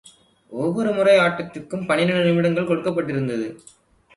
ஒவ்வொரு முறை ஆட்டத்திற்கும் பனிரண்டு நிமிடங்கள் கொடுக்கப்பட்டிருந்தது.